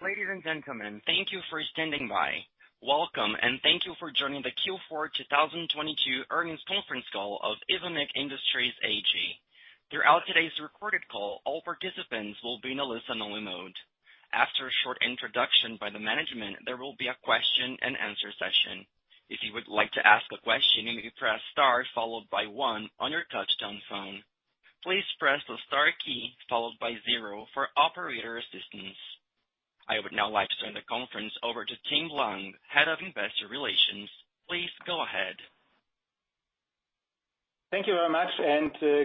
Ladies and gentlemen, thank you for standing by. Welcome, and thank you for joining the Q4 2022 earnings conference call of Evonik Industries AG. Throughout today's recorded call, all participants will be in a listen-only mode. After a short introduction by the management, there will be a question and answer session. If you would like to ask a question, you may press Star followed by one on your touchtone phone. Please press the Star key followed by zero for operator assistance. I would now like to turn the conference over to Tim Lange, Head of Investor Relations. Please go ahead. Thank you very much.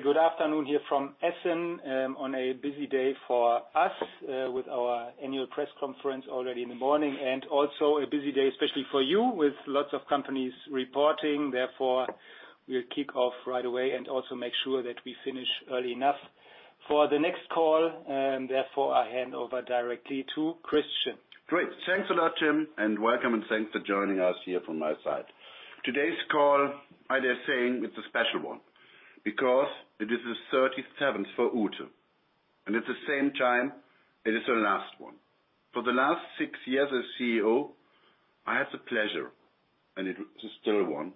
Good afternoon here from Essen, on a busy day for us, with our annual press conference already in the morning, and also a busy day, especially for you with lots of companies reporting. We'll kick off right away and also make sure that we finish early enough for the next call. I hand over directly to Christian. Great. Thanks a lot, Tim, welcome and thanks for joining us here from my side. Today's call, I dare saying it's a special one because it is the 37th for Ute, and at the same time, it is her last one. For the last six years as CEO, I had the pleasure, and it is still one.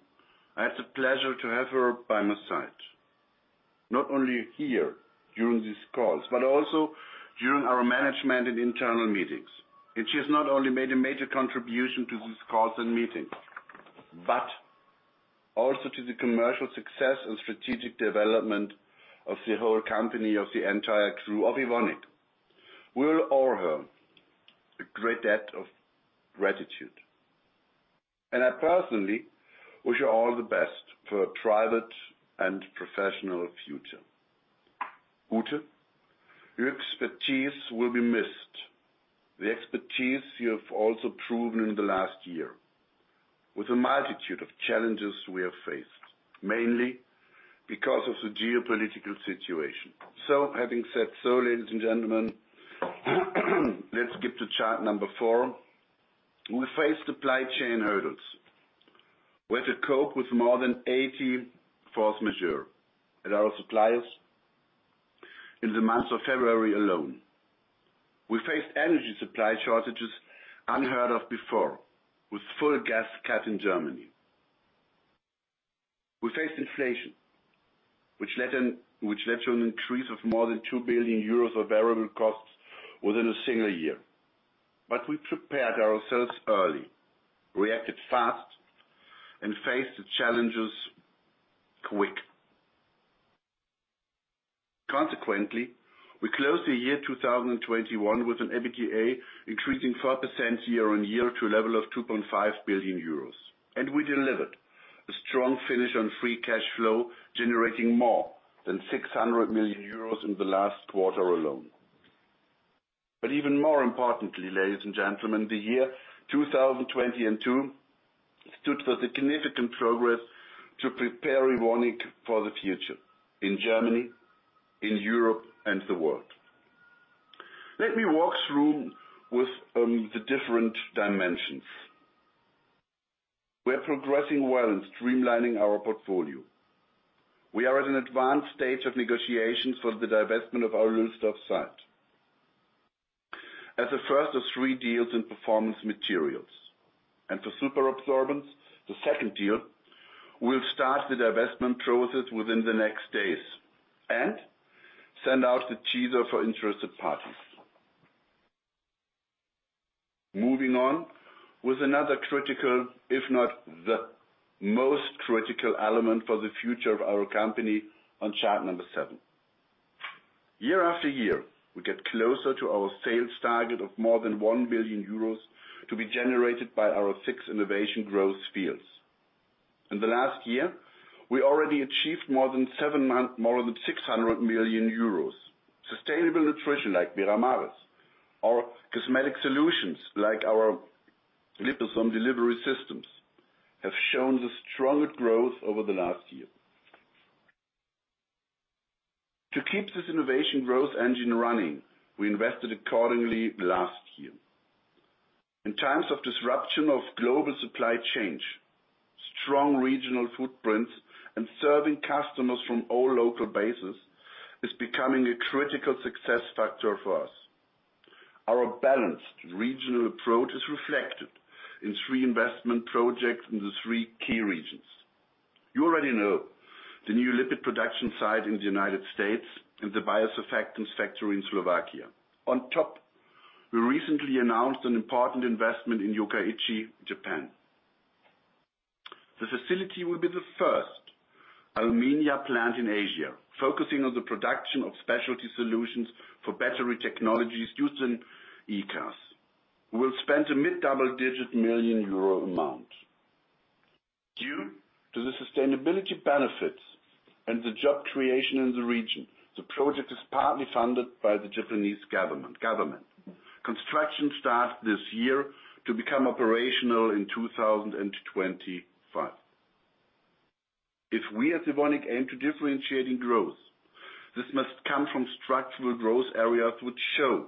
I had the pleasure to have her by my side, not only here during these calls, but also during our management and internal meetings. She has not only made a major contribution to these calls and meetings, but also to the commercial success and strategic development of the whole company, of the entire crew of Evonik. We all owe her a great debt of gratitude. I personally wish her all the best for her private and professional future. Ute, your expertise will be missed. The expertise you have also proven in the last year with a multitude of challenges we have faced, mainly because of the geopolitical situation. Having said so, ladies and gentlemen, let's skip to chart number four. We faced supply chain hurdles. We had to cope with more than 80 force majeure at our suppliers in the month of February alone. We faced energy supply shortages unheard of before, with full gas cut in Germany. We faced inflation, which led to an increase of more than 2 billion euros of variable costs within a single year. We prepared ourselves early, reacted fast, and faced the challenges quick. Consequently, we closed the year 2021 with an EBITDA increasing 4% year-on-year to a level of 2.5 billion euros. We delivered a strong finish on free cash flow, generating more than 600 million euros in the last quarter alone. Even more importantly, ladies and gentlemen, the year 2022 stood for the significant progress to prepare Evonik for the future in Germany, in Europe, and the world. Let me walk through with the different dimensions. We are progressing well in streamlining our portfolio. We are at an advanced stage of negotiations for the divestment of our Lülsdorf site as the first of three deals in Performance Materials. For superabsorbents, the second deal, we'll start the divestment process within the next days and send out the teaser for interested parties. Moving on with another critical, if not the most critical element for the future of our company on chart number seven. Year after year, we get closer to our sales target of more than 1 billion euros to be generated by our six innovation growth fields. In the last year, we already achieved more than 600 million euros. Sustainable nutrition like Veramaris or cosmetic solutions like our liposome delivery systems have shown the strongest growth over the last year. To keep this innovation growth engine running, we invested accordingly last year. In times of disruption of global supply chain, strong regional footprints and serving customers from all local bases is becoming a critical success factor for us. Our balanced regional approach is reflected in three investment projects in the three key regions. You already know the new lipid production site in the United States and the biosurfactant factory in Slovakia. On top, we recently announced an important investment in Yokkaichi, Japan. The facility will be the first ammonia plant in Asia, focusing on the production of specialty solutions for battery technologies used in e-cars. We'll spend a mid-double-digit million euro amount. Due to the sustainability benefits and the job creation in the region, the project is partly funded by the Japanese government. Construction starts this year to become operational in 2025. We at Evonik aim to differentiating growth, this must come from structural growth areas which show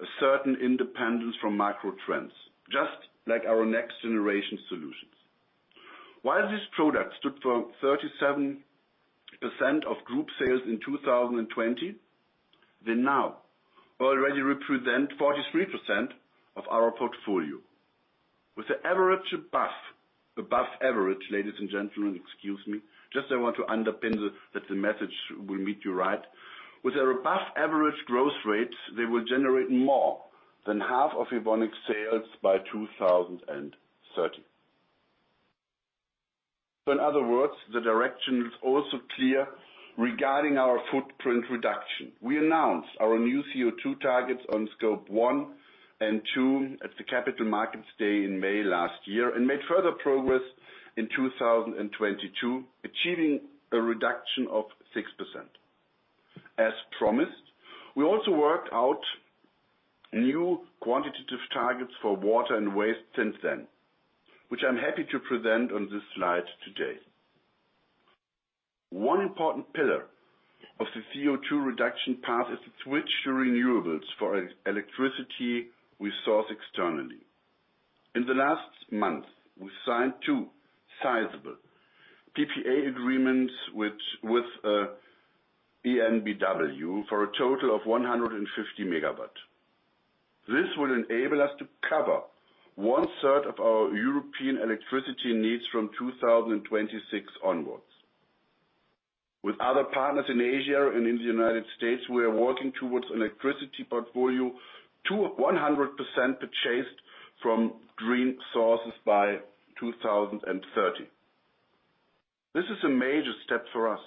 a certain independence from macro trends, just like our Next Generation Solutions. While this product stood for 37% of group sales in 2020, they now already represent 43% of our portfolio. With the average above average, ladies and gentlemen, excuse me, just I want to underpin that the message will meet you right. With a above average growth rate, they will generate more than half of Evonik sales by 2030. in other words, the direction is also clear regarding our footprint reduction. We announced our new CO2 targets on Scope one and two at the Capital Markets Day in May last year and made further progress in 2022, achieving a reduction of 6%. As promised, we also worked out new quantitative targets for water and waste since then, which I'm happy to present on this slide today. One important pillar of the CO2 reduction path is to switch to renewables for e-electricity we source externally. In the last month, we signed two sizable PPA agreements with ENBW for a total of 150 MW. This will enable us to cover one third of our European electricity needs from 2026 onwards. With other partners in Asia and in the United States, we are working towards electricity portfolio to 100% purchased from green sources by 2030. This is a major step for us.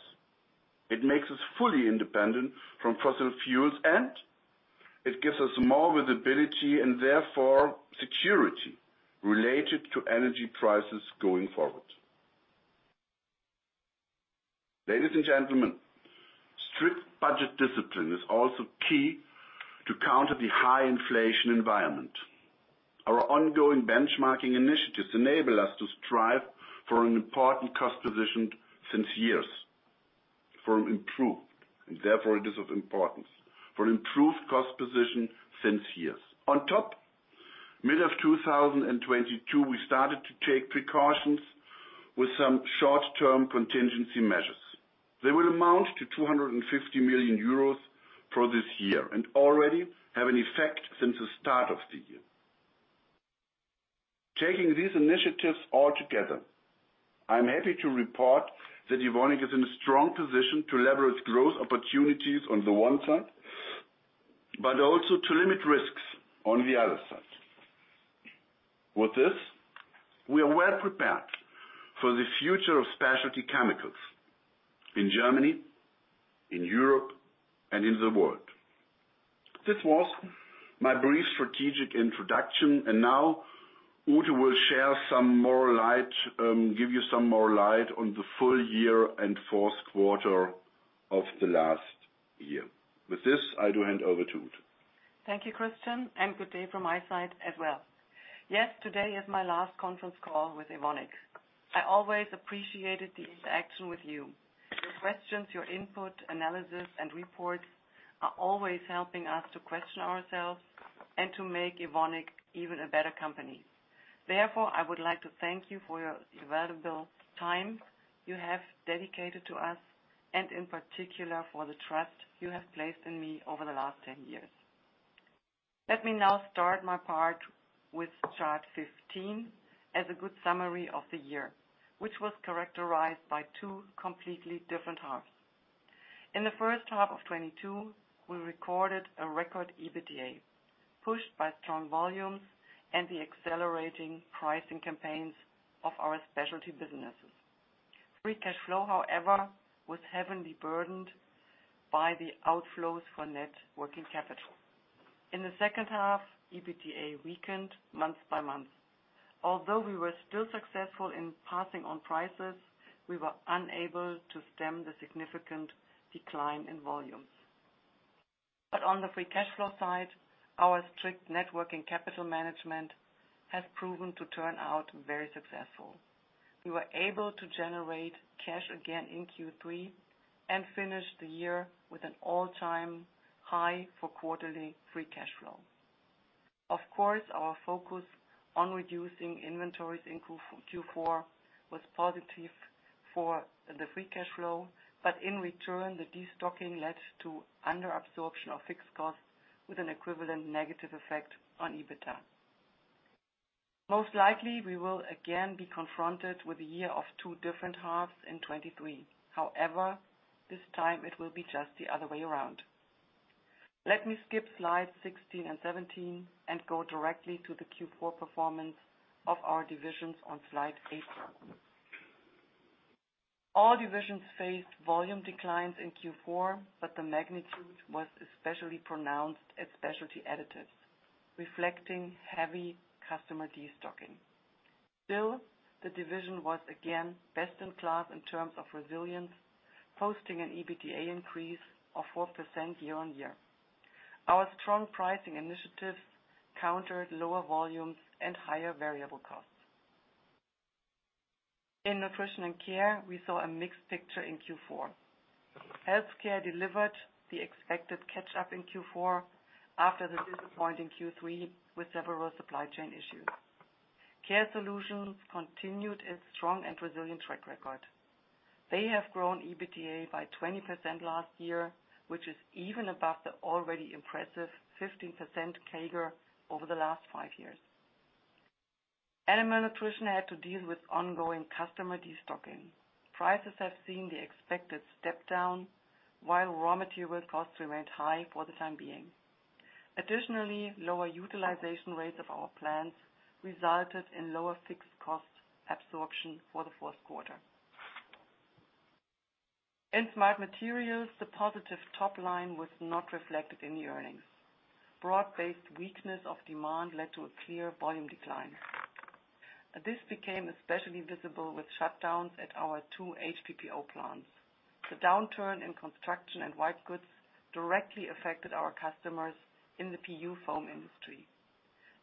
It makes us fully independent from fossil fuels, and it gives us more visibility, and therefore security related to energy prices going forward. Ladies and gentlemen, strict budget discipline is also key to counter the high inflation environment. Our ongoing benchmarking initiatives enable us to strive for an important cost position since years, and therefore it is of importance. For improved cost position since years. On top, mid of 2022, we started to take precautions with some short-term contingency measures. They will amount to 250 million euros for this year and already have an effect since the start of the year. Taking these initiatives all together, I am happy to report that Evonik is in a strong position to leverage growth opportunities on the one side, but also to limit risks on the other side. With this, we are well prepared for the future of specialty chemicals in Germany, in Europe, and in the world. This was my brief strategic introduction. Now Ute will share some more light, give you some more light on the full year and Q4 of the last year. With this, I do hand over to Ute. Thank you, Christian, and good day from my side as well. Today is my last conference call with Evonik. I always appreciated the interaction with you. Your questions, your input, analysis, and reports are always helping us to question ourselves and to make Evonik even a better company. Therefore, I would like to thank you for your invaluable time you have dedicated to us and in particular for the trust you have placed in me over the last 10 years. Let me now start my part with chart 15 as a good summary of the year, which was characterized by two completely different halves. In the H1 of 2022, we recorded a record EBITDA, pushed by strong volumes and the accelerating pricing campaigns of our specialty businesses. Free cash flow, however, was heavily burdened by the outflows for net working capital. In the H2, EBITDA weakened month by month. Although we were still successful in passing on prices, we were unable to stem the significant decline in volumes. On the free cash flow side, our strict net working capital management has proven to turn out very successful. We were able to generate cash again in Q3 and finished the year with an all-time high for quarterly free cash flow. Our focus on reducing inventories in Q4 was positive for the free cash flow, but in return, the destocking led to under absorption of fixed costs with an equivalent negative effect on EBITDA. Most likely, we will again be confronted with a year of two different halves in 2023. This time it will be just the other way around. Let me skip slide 16 and 17 and go directly to the Q4 performance of our divisions on slide 18. All divisions faced volume declines in Q4, but the magnitude was especially pronounced at Specialty Additives, reflecting heavy customer destocking. Still, the division was again best in class in terms of resilience, posting an EBITDA increase of 4% quarter-over-quarter. Our strong pricing initiatives countered lower volumes and higher variable costs. In Nutrition & Care, we saw a mixed picture in Q4. Health Care delivered the expected catch-up in Q4 after the disappointing Q3 with several supply chain issues. Care Solutions continued its strong and resilient track record. They have grown EBITDA by 20% last year, which is even above the already impressive 15% CAGR over the last 5 years. Animal Nutrition had to deal with ongoing customer destocking. Prices have seen the expected step down while raw material costs remained high for the time being. Additionally, lower utilization rates of our plants resulted in lower fixed costs absorption for the Q4. In Smart Materials, the positive top line was not reflected in the earnings. Broad-based weakness of demand led to a clear volume decline. This became especially visible with shutdowns at our two HPPO plants. The downturn in construction and white goods directly affected our customers in the PU foam industry.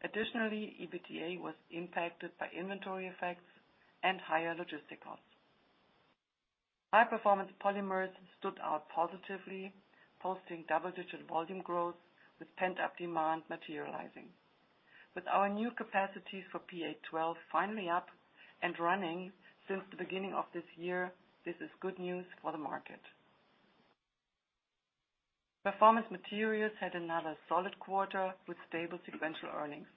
Additionally, EBITDA was impacted by inventory effects and higher logistic costs. High Performance Polymers stood out positively, posting double-digit volume growth with pent-up demand materializing. With our new capacities for PA-12 finally up and running since the beginning of this year, this is good news for the market. Performance Materials had another solid quarter with stable sequential earnings.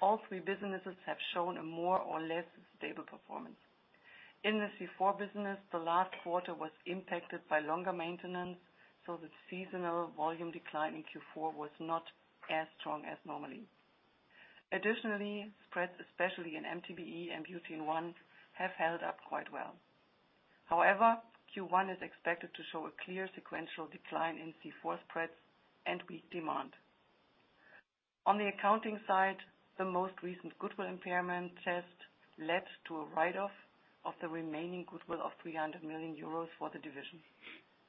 All three businesses have shown a more or less stable performance. In the C4 business, the last quarter was impacted by longer maintenance, so the seasonal volume decline in Q4 was not as strong as normally. Additionally, spreads, especially in MTBE and Butene-1, have held up quite well. Q1 is expected to show a clear sequential decline in C4 spreads and weak demand. On the accounting side, the most recent goodwill impairment test led to a write-off of the remaining goodwill of 300 million euros for the division.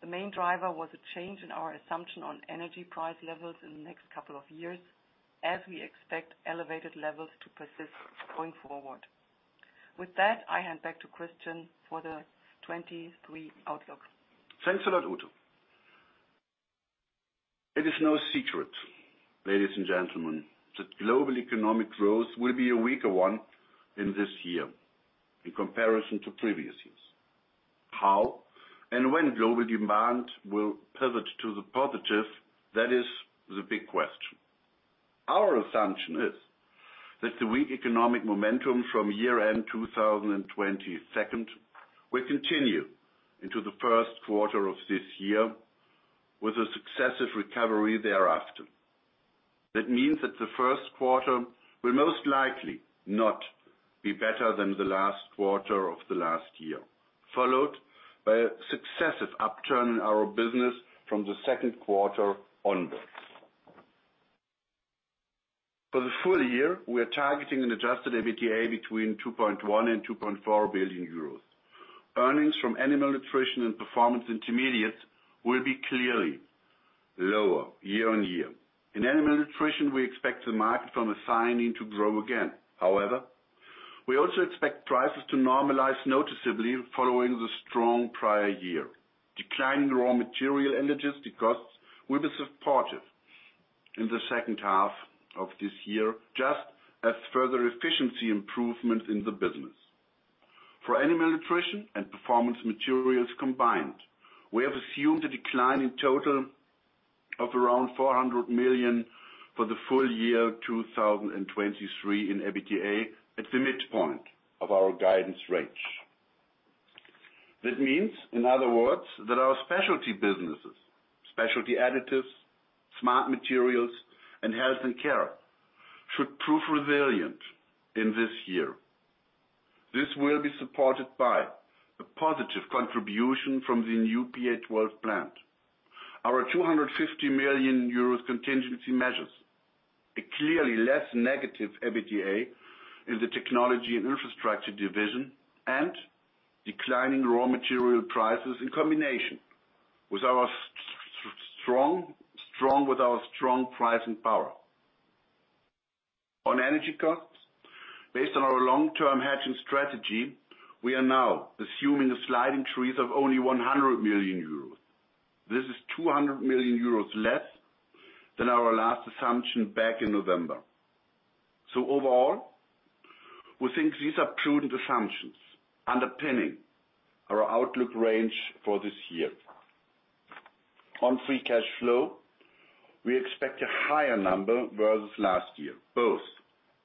The main driver was a change in our assumption on energy price levels in the next couple of years, as we expect elevated levels to persist going forward. With that, I hand back to Christian for the 2023 outlook. Thanks a lot, Ute. It is no secret, ladies and gentlemen, that global economic growth will be a weaker one in this year in comparison to previous years. How and when global demand will pivot to the positive, that is the big question. Our assumption is that the weak economic momentum from year-end 2022 will continue into the Q1 of this year with a successive recovery thereafter. That means that the 1st quarter will most likely not be better than the last quarter of the last year, followed by a successive upturn in our business from the Q2 onwards. For the full year, we are targeting an adjusted EBITDA between 2.1 billion and 2.4 billion euros. Earnings from Animal Nutrition and Performance Intermediates will be clearly lower year-on-year. In Animal Nutrition, we expect the market from a signing to grow again. We also expect prices to normalize noticeably following the strong prior year. Declining raw material and logistic costs will be supportive in the H2 of this year, just as further efficiency improvements in the business. For Animal Nutrition and Performance Materials combined, we have assumed a decline in total of around 400 million for the full year 2023 in EBITDA at the midpoint of our guidance range. This means, in other words, that our specialty businesses, Specialty Additives, Smart Materials, and Health & Care, should prove resilient in this year. This will be supported by the positive contribution from the new PA-12 plant. Our 250 million euros contingency measures, a clearly less negative EBITDA in the Technology & Infrastructure division, declining raw material prices in combination with our strong pricing power. On energy costs, based on our long-term hedging strategy, we are now assuming a slide increase of only 100 million euros. This is 200 million euros less than our last assumption back in November. Overall, we think these are prudent assumptions underpinning our outlook range for this year. On free cash flow, we expect a higher number versus last year, both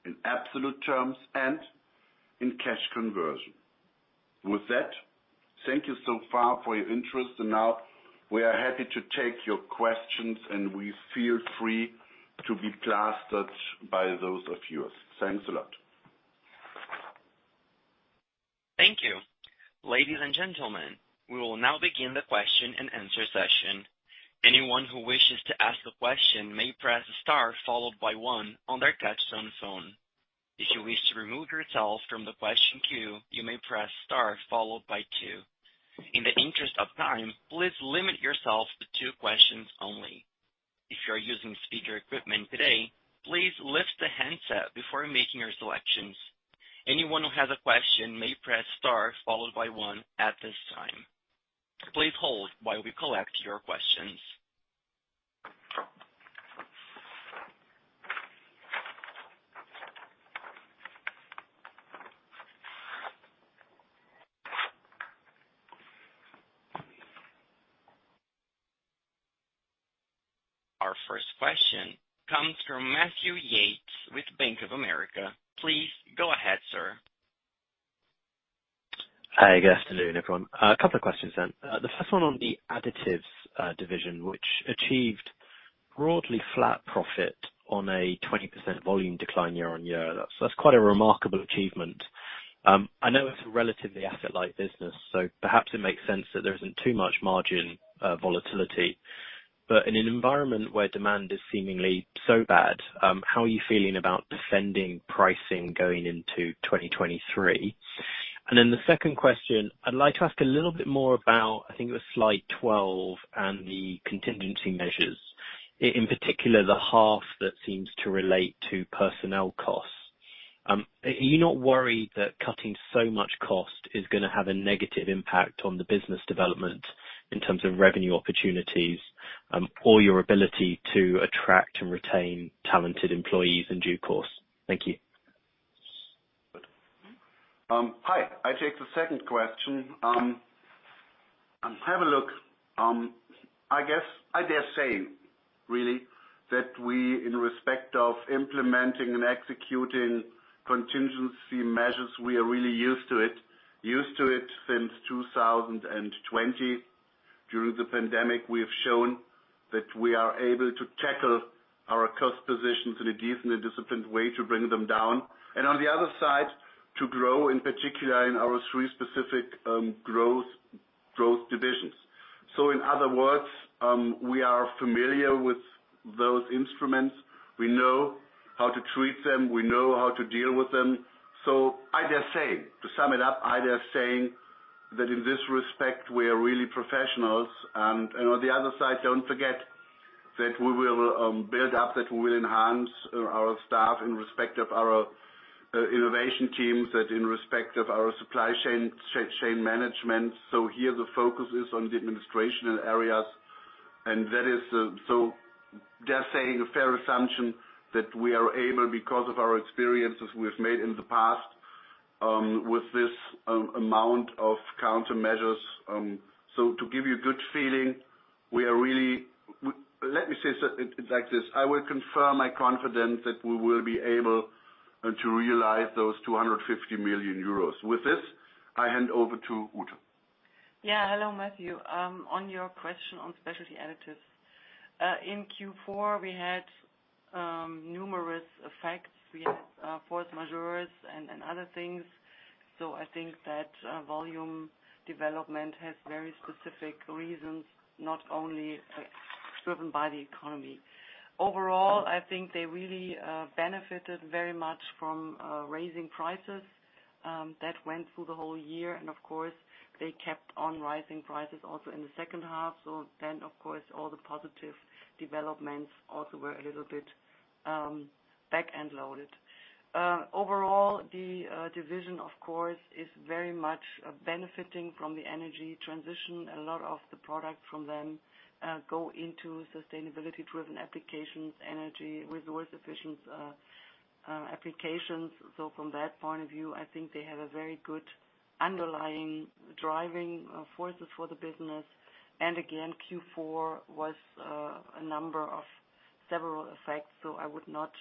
in absolute terms and in cash conversion. With that, thank you so far for your interest. Now we are happy to take your questions, and we feel free to be plastered by those of you. Thanks a lot. Thank you. Ladies and gentlemen, we will now begin the question-and-answer session. Anyone who wishes to ask the question may press star followed by one on their touch-tone phone. If you wish to remove yourself from the question queue, you may press star followed by two. In the interest of time, please limit yourself to two questions per company. If you're using speaker equipment today, please lift the handset before making your selections. Anyone who has a question may press star followed by one at this time. Please hold while we collect your questions. Our first question comes from Matthew Yates with Bank of America. Please go ahead, sir. Hi. Good afternoon, everyone. A couple of questions. The first one on the additives division, which achieved broadly flat profit on a 20% volume decline quarter-over-quarter. That's quite a remarkable achievement. I know it's a relatively asset light business, so perhaps it makes sense that there isn't too much margin volatility. In an environment where demand is seemingly so bad, how are you feeling about defending pricing going into 2023? The second question, I'd like to ask a little bit more about, I think it was slide 12 and the contingency measures, in particular, the half that seems to relate to personnel costs. Are you not worried that cutting so much cost is gonna have a negative impact on the business development in terms of revenue opportunities, or your ability to attract and retain talented employees in due course? Thank you. Hi. I take the second question. Have a look, I guess I dare say really that we, in respect of implementing and executing contingency measures, we are really used to it. Used to it since 2020. During the pandemic, we have shown that we are able to tackle our cost positions in a decent and disciplined way to bring them down, and on the other side, to grow, in particular in our three specific growth divisions. In other words, we are familiar with those instruments. We know how to treat them. We know how to deal with them. I dare say, to sum it up, I dare saying that in this respect, we are really professionals. On the other side, don't forget that we will build up, that we will enhance our staff in respect of our innovation teams, that in respect of our supply chain management. Here the focus is on the administrational areas, and that is so dare saying a fair assumption that we are able because of our experiences we've made in the past with this amount of countermeasures. To give you a good feeling, we are really. Let me say it like this. I will confirm my confidence that we will be able to realize those 250 million euros. With this, I hand over to Ute. Yeah. Hello, Matthew. On your question on Specialty Additives. In Q4, we had numerous effects. We had force majeures and other things. I think that volume development has very specific reasons, not only driven by the economy. Overall, I think they really benefited very much from raising prices that went through the whole year. Of course, they kept on rising prices also in the H2. Of course, all the positive developments also were a little bit back-end loaded. Overall, the division of course is very much benefiting from the energy transition. A lot of the product from them go into sustainability-driven applications, energy resource efficient applications. From that point of view, I think they have a very good underlying driving forces for the business. Q4 was a number of several effects, so I would not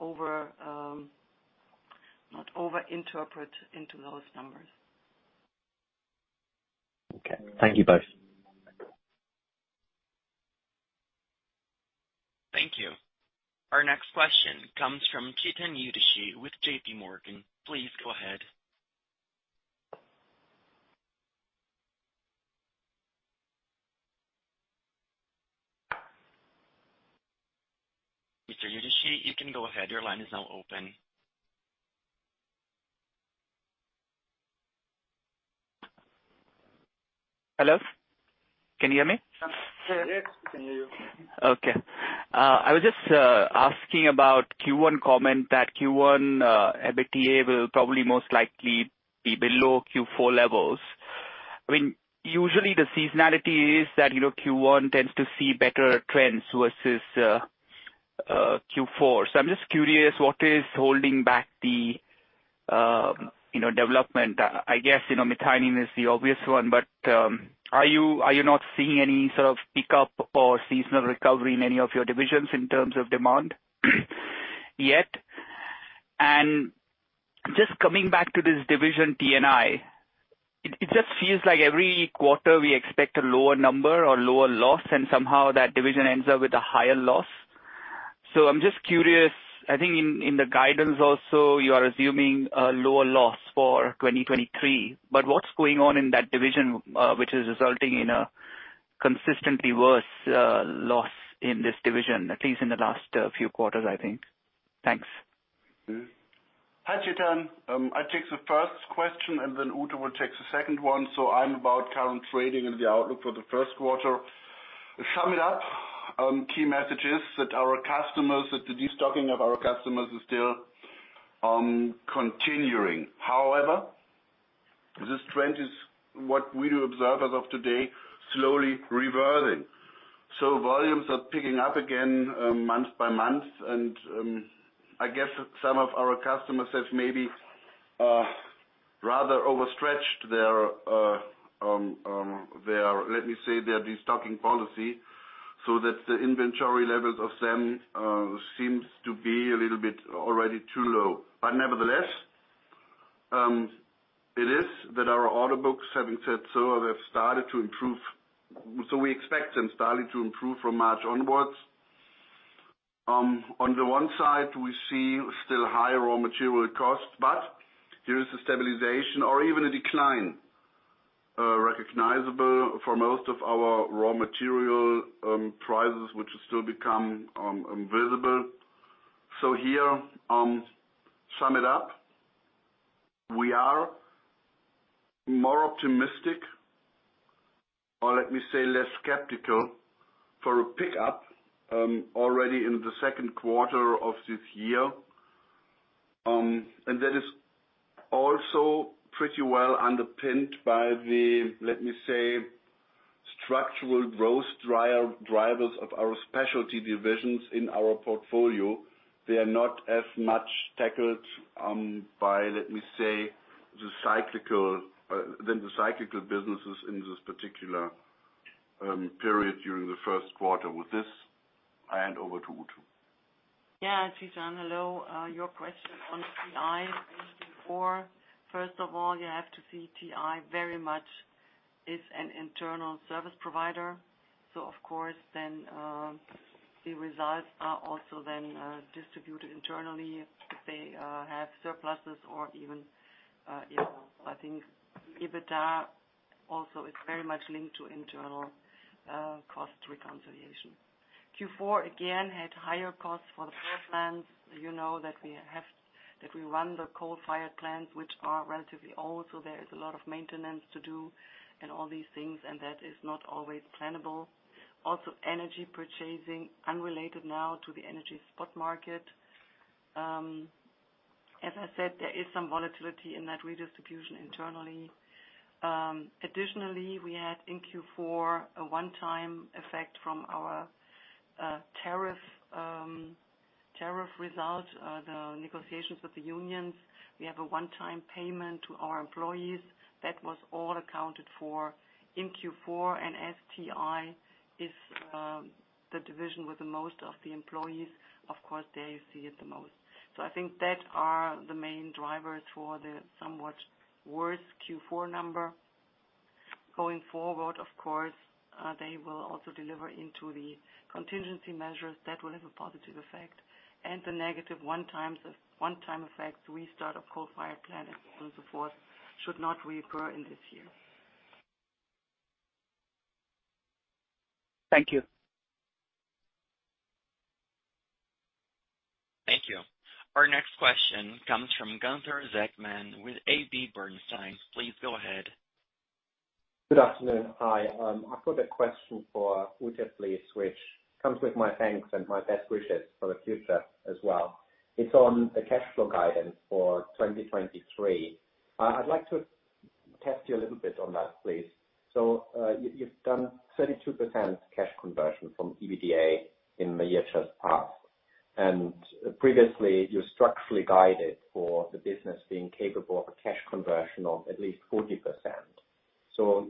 over interpret into those numbers. Okay. Thank you both. Thank you. Our next question comes from Chetan Udeshi with JPMorgan. Please go ahead. Mr. Udeshi, you can go ahead. Your line is now open. Hello, can you hear me? Yes, we can hear you. Okay. I was just asking about Q1 comment that Q1 EBITDA will probably most likely be below Q4 levels. I mean, usually the seasonality is that, you know, Q1 tends to see better trends versus Q4. I'm just curious what is holding back the, you know, development? I guess, you know, methionine is the obvious one, but are you not seeing any sort of pickup or seasonal recovery in any of your divisions in terms of demand yet? just coming back to this division, T&I, it just feels like every quarter we expect a lower number or lower loss, and somehow that division ends up with a higher loss. I'm just curious, I think in the guidance also, you are assuming a lower loss for 2023. What's going on in that division, which is resulting in a consistently worse, loss in this division, at least in the last, few quarters, I think? Thanks. Hi, Chetan. I take the first question. Udo will take the second one. I'm about current trading and the outlook for the Q1. To sum it up, key messages that the destocking of our customers is still continuing. However, this trend is what we do observe as of today, slowly reverting. Volumes are picking up again month by month and I guess some of our customers have maybe rather overstretched their destocking policy, so that the inventory levels of them seems to be a little bit already too low. Nevertheless, it is that our order books, having said so, have started to improve. We expect them starting to improve from March onwards. On the one side, we see still higher raw material costs, but there is a stabilization or even a decline, recognizable for most of our raw material prices, which will still become visible. Here, sum it up, we are more optimistic, or let me say less skeptical for a pickup already in the Q2 of this year. That is also pretty well underpinned by the, let me say, structural growth drivers of our specialty divisions in our portfolio. They are not as much tackled by, let me say, the cyclical than the cyclical businesses in this particular period during the Q1. With this, I hand over to Ute. Chetan, hello. Your question on T&I in Q4. First of all, you have to see T&I very much is an internal service provider. So of course then, the results are also then distributed internally if they have surpluses or even, you know. I think EBITDA also is very much linked to internal cost reconciliation. Q4, again, had higher costs for the power plants. You know that we run the coal-fired plants, which are relatively old, so there is a lot of maintenance to do and all these things, and that is not always plannable. Also energy purchasing, unrelated now to the energy spot market. As I said, there is some volatility in that redistribution internally. Additionally, we had in Q4 a one-time effect from our tariff result, the negotiations with the unions. We have a one-time payment to our employees. That was all accounted for in Q4. As T&I is the division with the most of the employees, of course, they see it the most. I think that are the main drivers for the somewhat worse Q4 number. Going forward, of course, they will also deliver into the contingency measures that will have a positive effect. The negative one time effect restart of coal-fired plants and so forth should not reoccur in this year. Thank you. Thank you. Our next question comes from Gunther Zechmann with AB Bernstein. Please go ahead. Good afternoon. Hi. I've got a question for Ute, please, which comes with my thanks and my best wishes for the future as well. It's on the cash flow guidance for 2023. I'd like to test you a little bit on that, please. You've done 32% cash conversion from EBITDA in the year just passed, and previously you structurally guided for the business being capable of a cash conversion of at least 40%.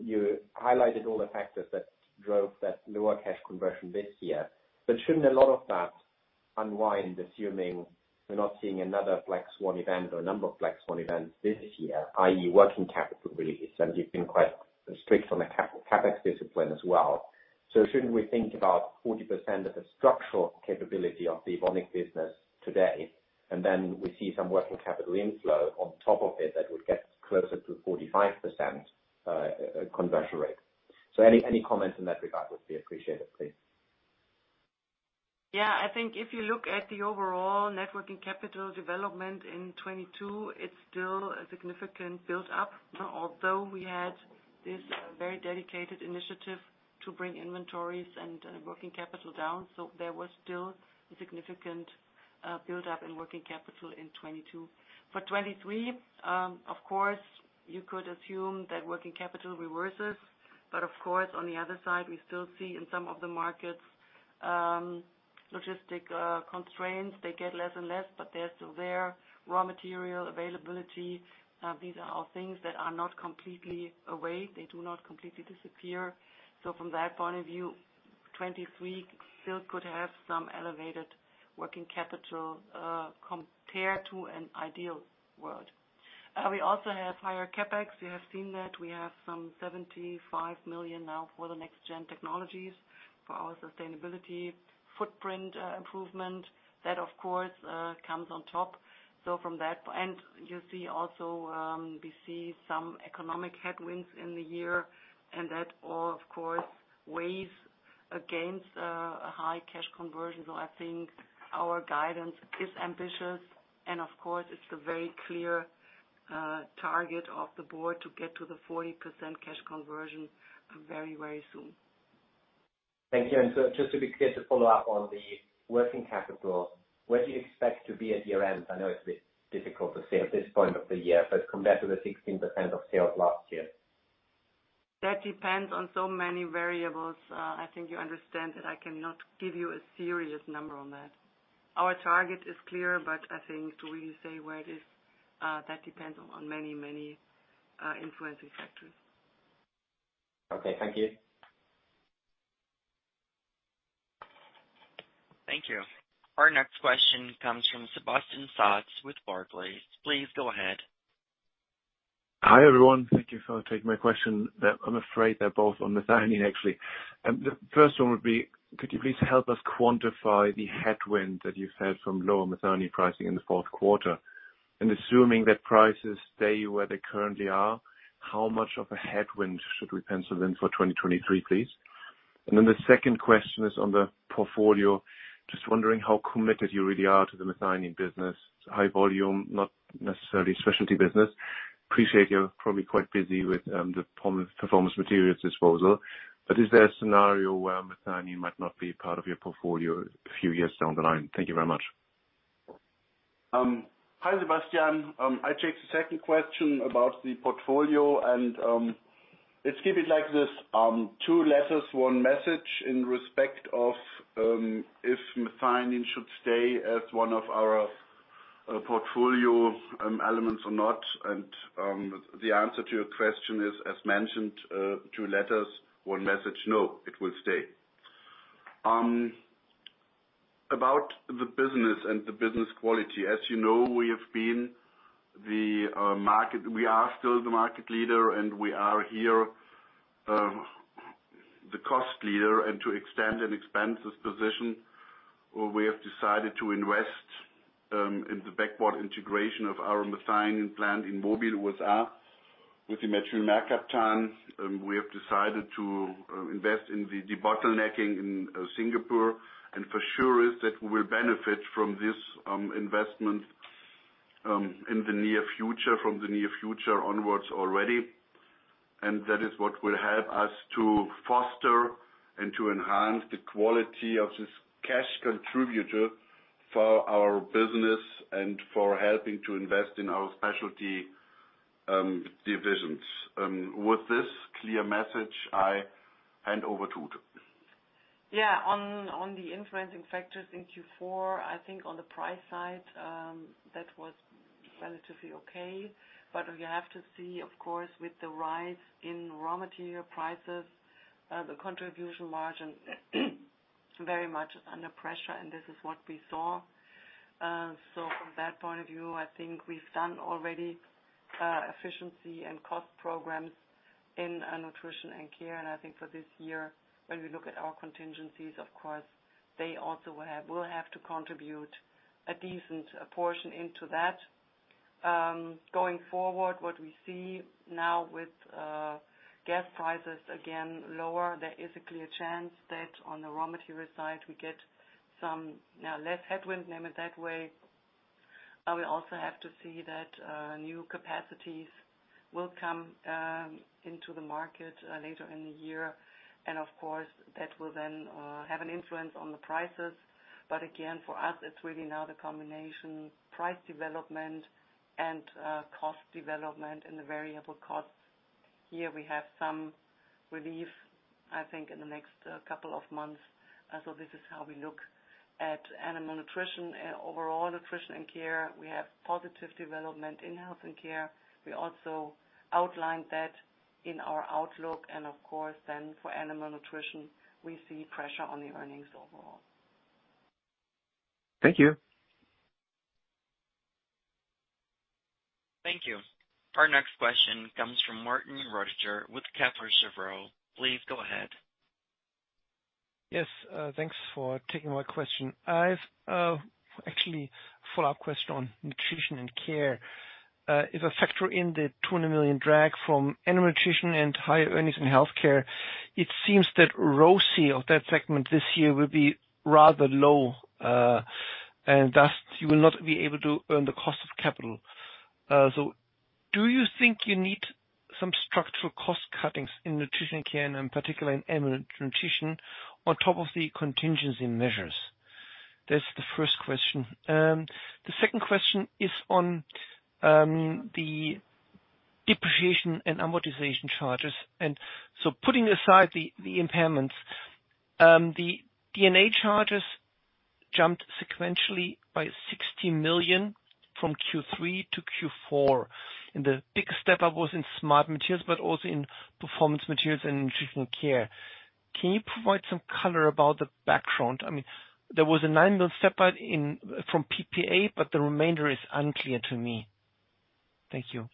You highlighted all the factors that drove that lower cash conversion this year. Shouldn't a lot of that unwind, assuming we're not seeing another black swan event or a number of black swan events this year, i.e., working capital release? You've been quite strict on the CapEx discipline as well. Shouldn't we think about 40% of the structural capability of the Evonik business today, and then we see some working capital inflow on top of it that would get closer to 45% conversion rate? Any comments in that regard would be appreciated, please. I think if you look at the overall net working capital development in 2022, it's still a significant build up. We had this very dedicated initiative to bring inventories and working capital down, there was still a significant build up in working capital in 2022. For 2023, of course, you could assume that working capital reverses. Of course, on the other side, we still see in some of the markets, logistic constraints. They get less and less, but they're still there. Raw material availability, these are all things that are not completely away. They do not completely disappear. From that point of view, 2023 still could have some elevated working capital compared to an ideal world. We also have higher CapEx. You have seen that we have some 75 million now for the Next Generation Technologies for our sustainability footprint improvement. That of course comes on top. You see also, we see some economic headwinds in the year, and that all of course weighs against a high cash conversion. I think our guidance is ambitious and of course, it's a very clear target of the board to get to the 40% cash conversion very, very soon. Thank you. Just to be clear, to follow up on the working capital, where do you expect to be at year-end? I know it's a bit difficult to say at this point of the year, but compared to the 16% of sales last year. That depends on so many variables. I think you understand that I cannot give you a serious number on that. Our target is clear, but I think to really say where it is, that depends on many, many, influencing factors. Okay. Thank you. Thank you. Our next question comes from Sebastian Satz with Barclays. Please go ahead. Hi, everyone. Thank you for taking my question. I'm afraid they're both on methionine, actually. The first one would be, could you please help us quantify the headwind that you've had from lower methionine pricing in the Q4? Assuming that prices stay where they currently are, how much of a headwind should we pencil in for 2023, please? The second question is on the portfolio. Just wondering how committed you really are to the methionine business. High volume, not necessarily specialty business. Appreciate you're probably quite busy with the Performance Materials disposal. Is there a scenario where methionine might not be part of your portfolio a few years down the line? Thank you very much. Hi, Sebastian. I take the second question about the portfolio and let's keep it like this, two letters, one message in respect of if methionine should stay as one of our portfolio elements or not. The answer to your question is, as mentioned, two letters, one message, "No, it will stay." About the business and the business quality. As you know, we are still the market leader, and we are here the cost leader. To extend and expand this position, we have decided to invest in the backward integration of our methionine plant in Mobile with methyl mercaptan. We have decided to invest in the debottlenecking in Singapore. For sure is that we will benefit from this investment in the near future, from the near future onwards already. That is what will help us to foster and to enhance the quality of this cash contributor for our business and for helping to invest in our specialty divisions. With this clear message, I hand over to Ute. On the influencing factors in Q4, I think on the price side, that was relatively okay. You have to see, of course, with the rise in raw material prices, the contribution margin very much under pressure, and this is what we saw. From that point of view, I think we've done already efficiency and cost programs in our Nutrition & Care. I think for this year, when we look at our contingencies, of course, they also will have to contribute a decent portion into that. Going forward, what we see now with gas prices again, lower, there is a clear chance that on the raw material side, we get some now less headwind, name it that way. We also have to see that new capacities will come into the market later in the year. Of course, that will then have an influence on the prices. Again, for us, it's really now the combination, price development and cost development and the variable costs. Here we have some relief, I think, in the next couple of months. This is how we look at Animal Nutrition. Overall, Nutrition & Care, we have positive development in Health & Care. We also outlined that in our outlook. Of course, then for Animal Nutrition, we see pressure on the earnings overall. Thank you. Thank you. Our next question comes from Martin Roediger with Kepler Cheuvreux. Please go ahead. Thanks for taking my question. I've actually a follow-up question on Nutrition & Care. If I factor in the 200 million drag from Animal Nutrition and higher earnings in Health Care, it seems that ROCE of that segment this year will be rather low, and thus you will not be able to earn the cost of capital. Do you think you need some structural cost cuttings in Nutrition & Care, and particularly in Animal Nutrition on top of the contingency measures? That's the first question. The second question is on the depreciation and amortization charges. Putting aside the impairments, the D&A charges jumped sequentially by 60 million from Q3 to Q4. The biggest step-up was in Smart Materials, but also in Performance Materials and Nutrition & Care. Can you provide some color about the background? I mean, there was a 9 million step-up from PPA, the remainder is unclear to me. Thank you.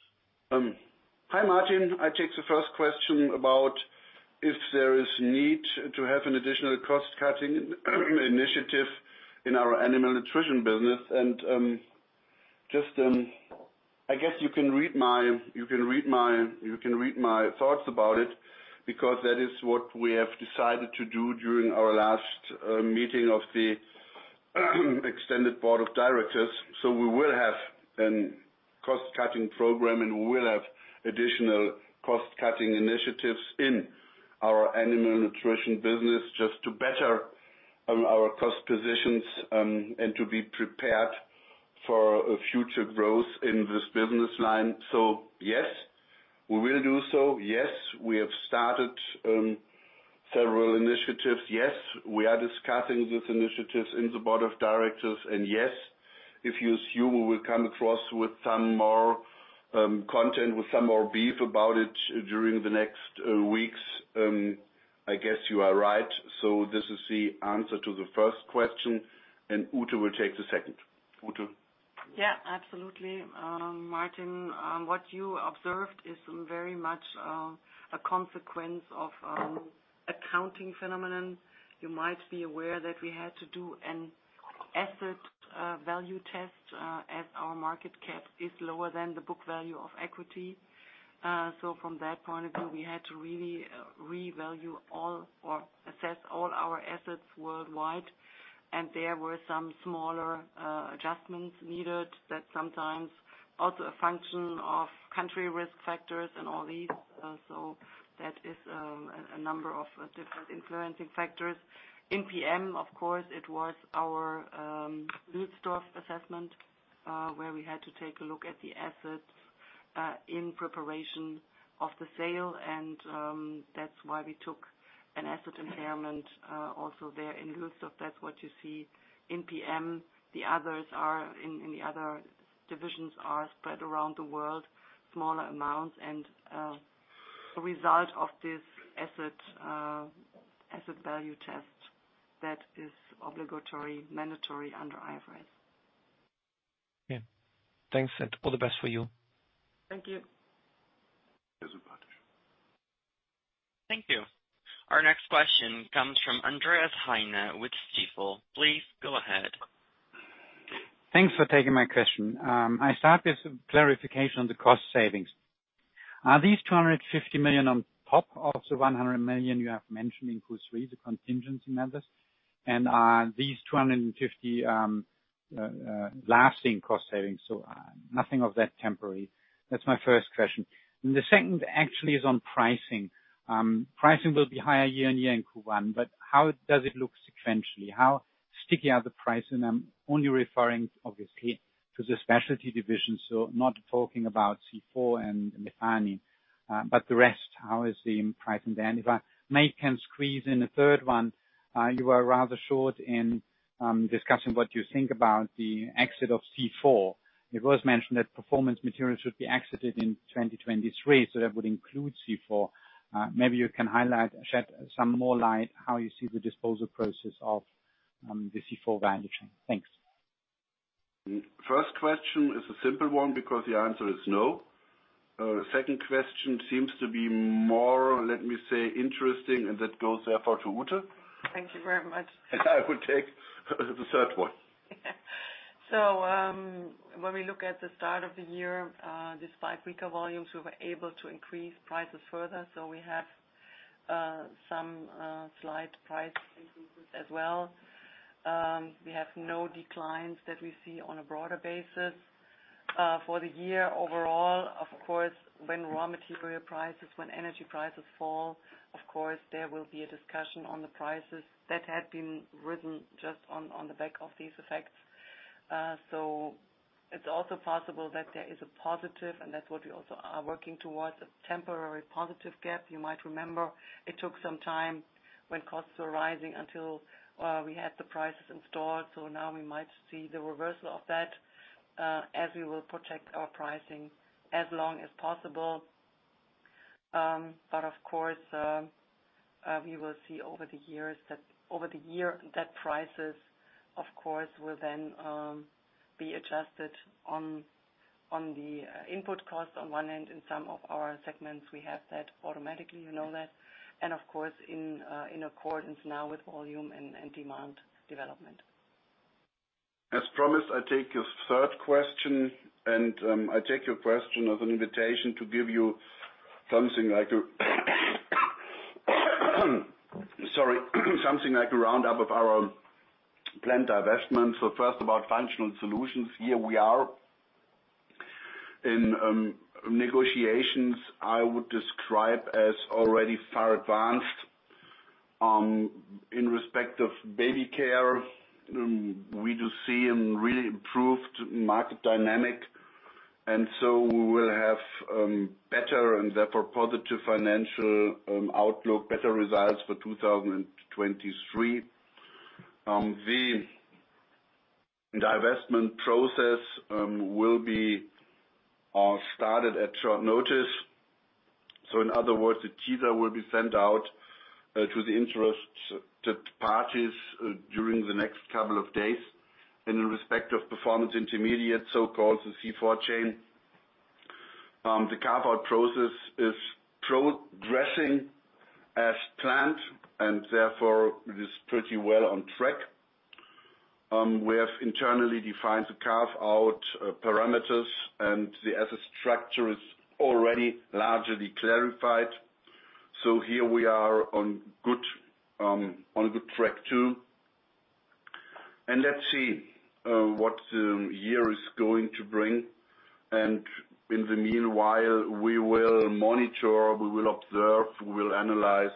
Hi, Martin. I take the first question about if there is need to have an additional cost-cutting initiative in our Animal Nutrition business. Just, I guess you can read my thoughts about it, because that is what we have decided to do during our last meeting of the extended board of directors. We will have an cost-cutting program, and we will have additional cost-cutting initiatives in our Animal Nutrition business just to better our cost positions and to be prepared for a future growth in this business line. Yes, we will do so. Yes, we have started several initiatives. Yes, we are discussing these initiatives in the board of directors. Yes, if you assume we will come across with some more content, with some more beef about it during the next weeks, I guess you are right. This is the answer to the first question, and Ute will take the second. Ute. Absolutely. Martin, what you observed is very much a consequence of accounting phenomenon. You might be aware that we had to do an asset value test as our market cap is lower than the book value of equity. From that point of view, we had to really revalue all, or assess all our assets worldwide. There were some smaller adjustments needed that sometimes, also a function of country risk factors and all these. That is a number of different influencing factors. In PM, of course, it was our Lülsdorf assessment, where we had to take a look at the assets in preparation of the sale. That's why we took an asset impairment also there in Lülsdorf. That's what you see in PM. The others are in the other divisions are spread around the world, smaller amounts and, a result of this asset value test that is obligatory, mandatory under IFRS. Yeah. Thanks. All the best for you. Thank you. Thank you. Our next question comes from Andreas Heine with Stifel. Please go ahead. Thanks for taking my question. I start with some clarification on the cost savings. Are these 250 million on top of the 100 million you have mentioned in Q3, the contingency members? Are these 250 lasting cost savings? Nothing of that temporary. That's my first question. The second actually is on pricing. Pricing will be higher quarter-over-quarter in Q1, but how does it look sequentially? How sticky are the pricing? I'm only referring, obviously, to the specialty division, so not talking about C4 and methionine. But the rest, how is the pricing there? If I may can squeeze in a third one, you were rather short in discussing what you think about the exit of C4. It was mentioned that Performance Materials should be exited in 2023. That would include C4. Maybe you can highlight, shed some more light how you see the disposal process of the C4 valuation. Thanks. First question is a simple one because the answer is no. Second question seems to be more, let me say, interesting, and that goes therefore to Ute. Thank you very much. I will take the third one. When we look at the start of the year, despite weaker volumes, we were able to increase prices further. We have some slight price increases as well. We have no declines that we see on a broader basis. For the year overall, of course, when raw material prices, when energy prices fall, of course, there will be a discussion on the prices that had been written just on the back of these effects. It's also possible that there is a positive, and that's what we also are working towards, a temporary positive gap. You might remember it took some time when costs were rising until we had the prices in store. Now we might see the reversal of that as we will protect our pricing as long as possible. Of course, we will see over the year that prices of course, will then be adjusted on the input cost on one end. In some of our segments, we have that automatically, you know that. Of course, in accordance now with volume and demand development. As promised, I take your third question, I take your question as an invitation to give you something like a roundup of our planned divestment. First about Functional Solutions. Here we are in negotiations I would describe as already far advanced. In respect of Baby Care, we do see a really improved market dynamic, we will have better and therefore positive financial outlook, better results for 2023. The divestment process will be started at short notice. In other words, the teaser will be sent out to the interest parties during the next couple of days. In respect of Performance Intermediates, so-called the C4 chain. The carve-out process is progressing as planned, it is pretty well on track. We have internally defined the carve-out parameters and the asset structure is already largely clarified. Here we are on good track too. Let's see what the year is going to bring. In the meanwhile, we will monitor, we will observe, we will analyze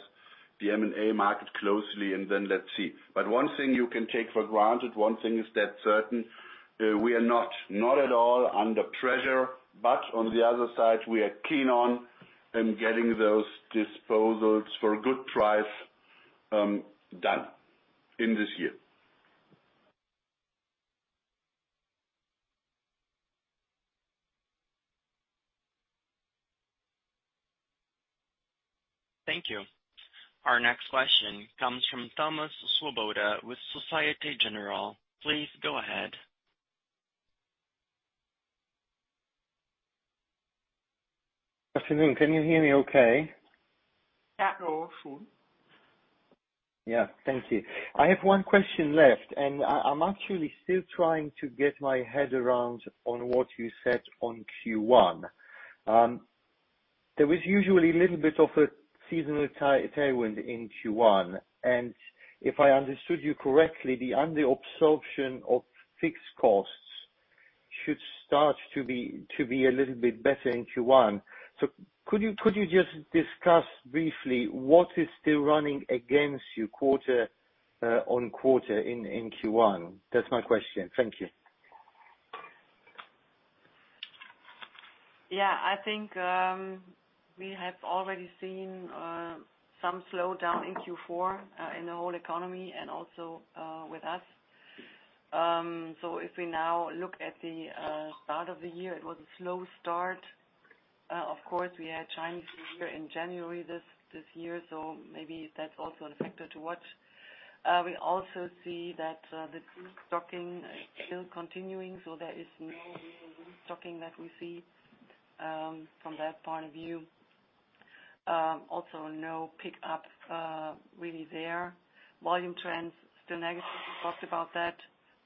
the M&A market closely, and then let's see. One thing you can take for granted, one thing is dead certain, we are not at all under pressure. On the other side, we are keen on getting those disposals for a good price done in this year. Thank you. Our next question comes from Thomas Swoboda with Société Générale. Please go ahead. Good afternoon. Can you hear me okay? Yeah. Yeah. Thank you. I have one question left, and I'm actually still trying to get my head around on what you said on Q1. There was usually little bit of a seasonal tailwind in Q1. If I understood you correctly, the under absorption of fixed costs should start to be a little bit better in Q1. Could you just discuss briefly what is still running against you quarter on quarter in Q1? That's my question. Thank you. I think we have already seen some slowdown in Q4 in the whole economy and also with us. If we now look at the start of the year, it was a slow start. Of course, we had Chinese New Year in January this year, so maybe that's also a factor to watch. We also see that the stocking is still continuing, so there is no real restocking that we see from that point of view. Also no pick up really there. Volume trends still negative. We talked about that.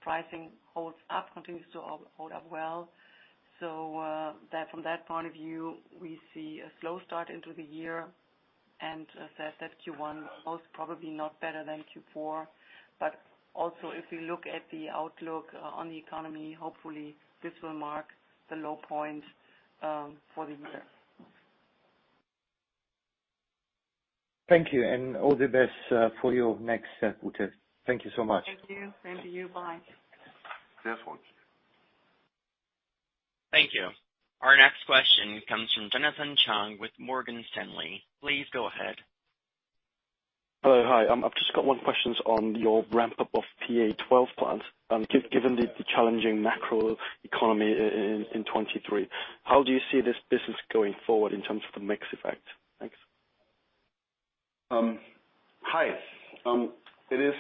Pricing holds up, continues to hold up well. From that point of view, we see a slow start into the year and assess that Q1 most probably not better than Q4. Also, if you look at the outlook on the economy, hopefully this will mark the low point for the year. Thank you and all the best for your next set, Ute. Thank you so much. Thank you. Same to you. Bye. Thank you. Our next question comes from Jonathan Chung with Morgan Stanley. Please go ahead. Hello. Hi. I've just got one questions on your ramp-up of PA-12 plant. given the challenging macro economy in 2023, how do you see this business going forward in terms of the mix effect? Thanks. Hi. It is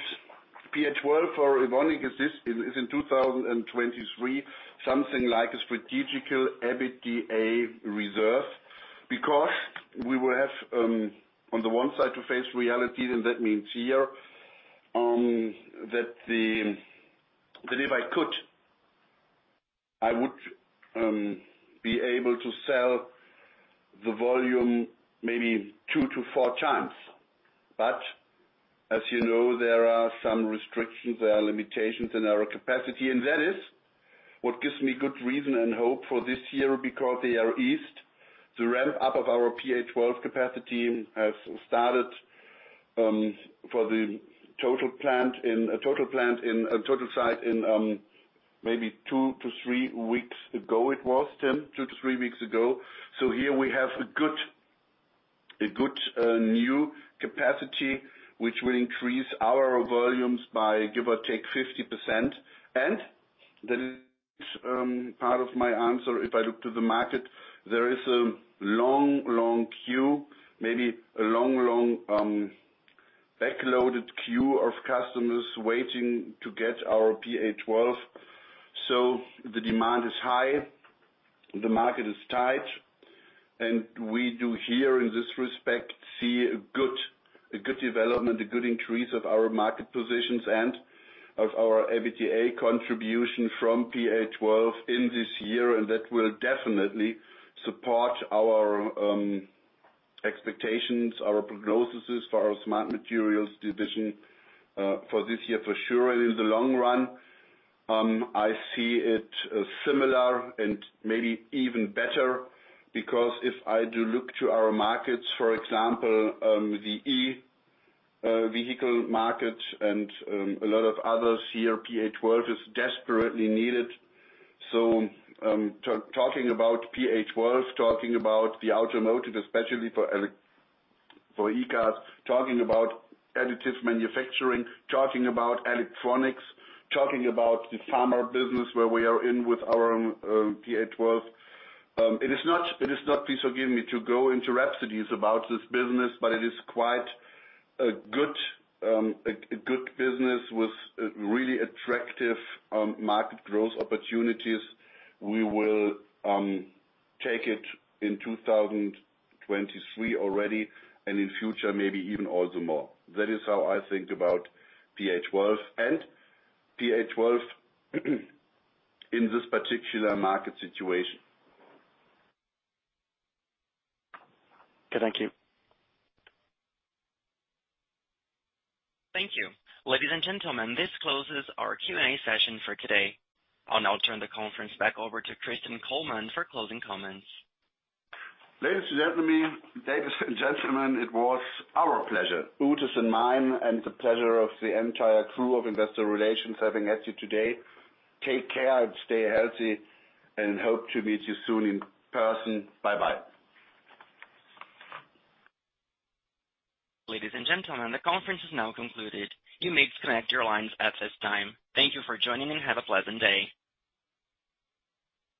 PA-12 for Evonik is in 2023, something like a strategic EBITDA reserve because we will have on the one side to face reality, and that means here that if I could, I would be able to sell the volume maybe two-four times. As you know, there are some restrictions, there are limitations in our capacity, and that is what gives me good reason and hope for this year because they are eased. The ramp-up of our PH twelve capacity has started for a total site in, maybe two-three weeks ago it was, Tim. two-three weeks ago. Here we have a good new capacity which will increase our volumes by give or take 50%. The next part of my answer, if I look to the market, there is a long queue, maybe a long backloaded queue of customers waiting to get our PA-12. The demand is high, the market is tight, and we do here in this respect see a good development, a good increase of our market positions and of our EBITDA contribution from PA-12 in this year. That will definitely support our expectations, our prognosises for our Smart Materials division for this year for sure. In the long run, I see it similar and maybe even better because if I do look to our markets, for example, the e-vehicle market and a lot of others here, PA-12 is desperately needed. Talking about PA-12, talking about the automotive, especially for e-cars, talking about additives manufacturing, talking about electronics, talking about the pharma business where we are in with our own PA-12. It is not, please forgive me to go into rhapsodize about this business, but it is quite a good business with really attractive market growth opportunities. We will take it in 2023 already and in future maybe even also more. That is how I think about PA-12 and PA-12 in this particular market situation. Okay. Thank you. Thank you. Ladies and gentlemen, this closes our Q&A session for today. I'll now turn the conference back over to Christian Kullmann for closing comments. Ladies and gentlemen, it was our pleasure, Ute's and mine, and the pleasure of the entire crew of investor relations having had you today. Take care and stay healthy and hope to meet you soon in person. Bye-bye. Ladies and gentlemen, the conference is now concluded. You may disconnect your lines at this time. Thank you for joining and have a pleasant day.